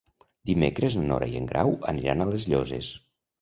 Dimecres na Nora i en Grau aniran a les Llosses.